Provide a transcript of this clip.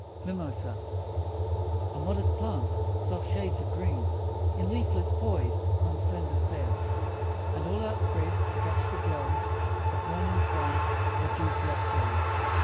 MIMOSA A modest plant; soft shades of green In leaflets poised on slender stem; And all outspread to catch the glow Of morning sun or dew drop gem.